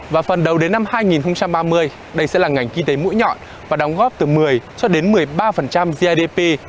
và phần đầu đến năm hai nghìn ba mươi đây sẽ là ngành kinh tế mũi nhọn và đóng góp từ một mươi cho đến một mươi ba grdp